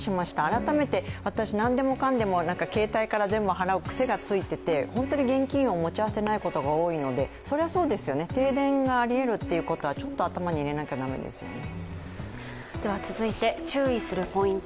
改めて私、なんでもかんでも携帯から全部払うくせがついていて、現金を持ち合わせていないことが多いのでそれはそうですよね、停電がありえるということはちょっと頭に入れなきゃ駄目ですよね。